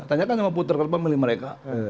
tanya kan sama puter kemudian pemilih mereka